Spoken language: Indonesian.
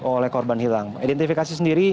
oleh korban hilang identifikasi sendiri